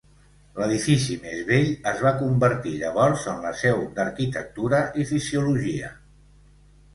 L'edifici més vell es va convertir llavors en la seu d'Arquitectura i Fisiologia.